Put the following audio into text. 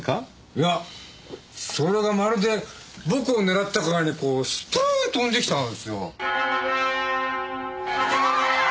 いやそれがまるで僕を狙ったかのようにこうストンと飛んできたんですよ。